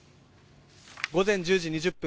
午前１０時２０分